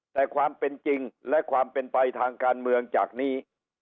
แต่ความเป็นจริงและความเป็นไปทางการเมืองจากนี้